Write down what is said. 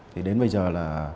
thì đến bây giờ là